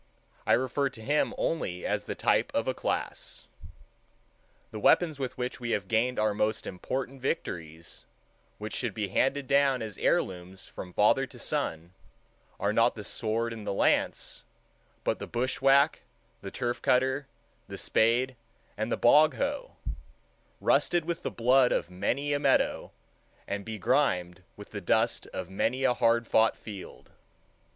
I refer to him only as the type of a class. The weapons with which we have gained our most important victories, which should be handed down as heirlooms from father to son, are not the sword and the lance, but the bushwhack, the turf cutter, the spade, and the bog hoe, rusted with the blood of many a meadow, and begrimed with the dust of many a hard fought field.